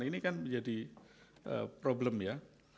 ini kan menjadi problem ya